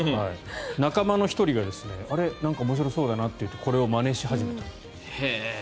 仲間の１人が面白そうだなといってこれをまねし始めた。